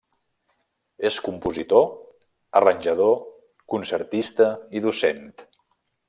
És compositor, arranjador, concertista i docent.